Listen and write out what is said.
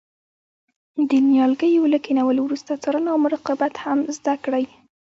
د نیالګیو له کینولو وروسته څارنه او مراقبت هم زده کړئ.